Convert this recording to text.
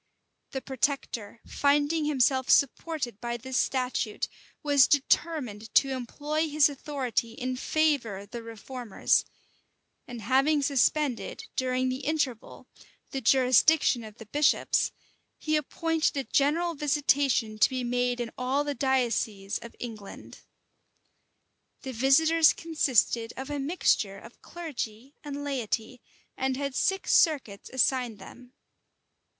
The protector, finding himself supported by this statute, was determined to employ his authority in favor of the reformers; and having suspended, during the interval, the jurisdiction of the bishops, he appointed a general visitation to be made in all the dioceses of England.[] The visitors consisted of a mixture of clergy and laity, and had six circuits assigned them.